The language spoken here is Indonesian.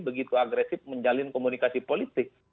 begitu agresif menjalin komunikasi politik